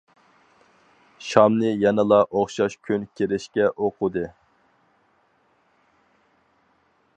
شامنى يەنىلا ئوخشاش كۈن كىرىشىگە ئوقۇدى.